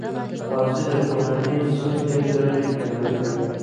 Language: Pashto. قاضي د کورني صلحې لارې پیدا کوي.